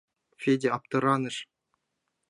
— Федя аптыраныш.